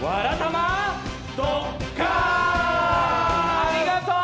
ありがとう！